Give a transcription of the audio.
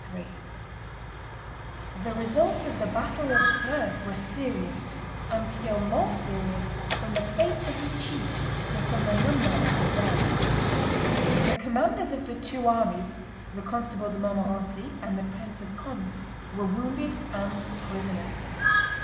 ] The results of the battle of Dreux were serious, and still more serious from the fate of the chiefs than from the number of the dead. The commanders of the two armies, the Constable de Montmorency, and the Prince of Conde, were wounded and prisoners.